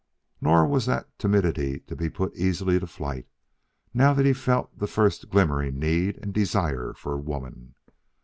Nor was that timidity to be put easily to flight now that he felt the first glimmering need and desire for woman.